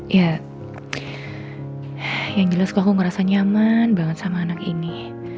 ya yang jelas kok aku ngerasa nyaman banget sama anak ini